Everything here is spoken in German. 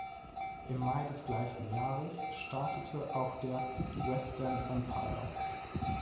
Im Mai des gleichen Jahres startete auch der "Western Empire".